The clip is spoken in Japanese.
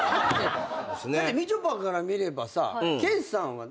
だってみちょぱから見ればさ研さんは。